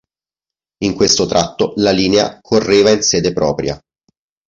In questo tratto la linea correva in sede propria.